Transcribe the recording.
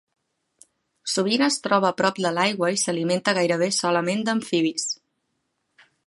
Sovint es troba prop de l'aigua i s'alimenta gairebé solament d'amfibis.